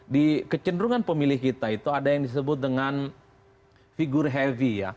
di kecenderungan pemilih kita itu ada yang disebut dengan figur heavy ya